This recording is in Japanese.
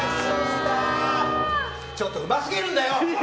ちょっとうますぎるんだよ！